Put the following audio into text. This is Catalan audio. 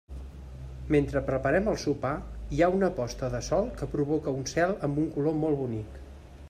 Mentre preparem el sopar, hi ha una posta de sol que provoca un cel amb un color molt bonic.